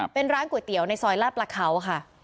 เป็นร้านก๋วยเตี๋ยวในซอยลาดประเขาค่ะ